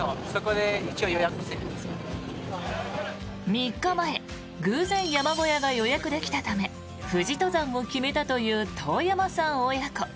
３日前、偶然山小屋が予約できたため富士登山を決めたという當山さん親子。